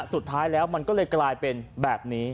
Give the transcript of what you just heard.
สุดท้ายแล้วมันก็เลยกลายเป็นแบบนี้